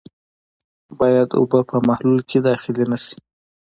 باید اوبه په محلول کې داخلې نه شي.